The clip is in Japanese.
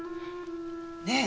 ねえ。